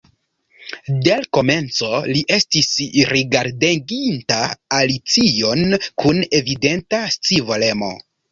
De l' komenco li estis rigardeginta Alicion kun evidenta scivolemo.